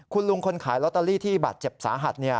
คุณลุงคนขายลอตเตอรี่ที่บาดเจ็บสาหัส